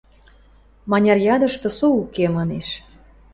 Маняр ядышты, со «уке» манеш.